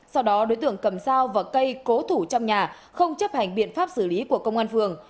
sau đó đối tượng cầm dao và cây cố thủ trong nhà không chấp hành biện pháp xử lý của công an phường